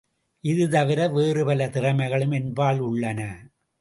இது தவிர வேறு பல திறமைகளும் என்பால் உள்ளன.